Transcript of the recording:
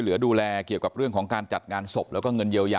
เหมือนกับทุกครั้งกลับบ้านมาอย่างปลอดภัย